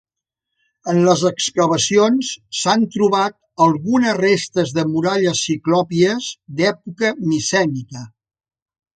En les excavacions s'han trobat algunes restes de muralles ciclòpies d'època micènica.